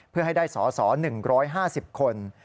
เพื่อให้ได้สอสอ๑๕๐คน